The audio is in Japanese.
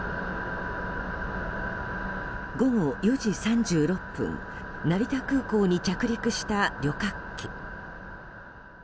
午後４時３６分成田空港に着陸した旅客機。